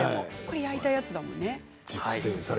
これは焼いたやつだもんね。